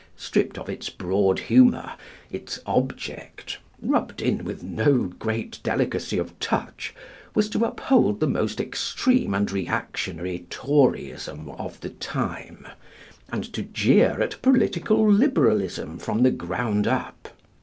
Stripped of its broad humor, its object, rubbed in with no great delicacy of touch, was to uphold the most extreme and reactionary Toryism of the time, and to jeer at political liberalism from the ground up.